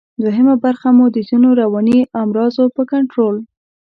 دوهمه برخه مو د ځینو رواني امراضو په کنټرول